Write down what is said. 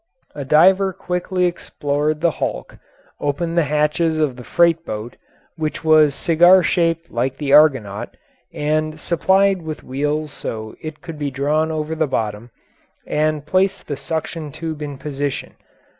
A diver quickly explored the hulk, opened the hatches of the freight boat, which was cigar shaped like the Argonaut and supplied with wheels so it could be drawn over the bottom, and placed the suction tube in position.